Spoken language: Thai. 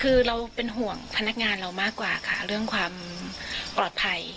คือเราเป็นห่วงพนักงานเรามากกว่าค่ะเรื่องความปลอดภัย